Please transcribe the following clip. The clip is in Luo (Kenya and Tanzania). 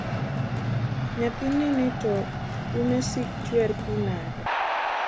Nyathinini to ume sik chwer pi nade?